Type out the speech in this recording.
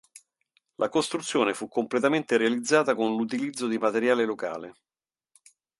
La costruzione fu completamente realizzata con l'utilizzo di materiale locale.